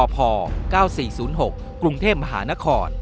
พ๙๔๐๖กรุงเทพมหานคร